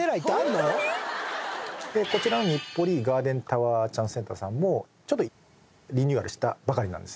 こちらの日暮里ガーデンタワーチャンスセンターさんもリニューアルしたばかりなんですね。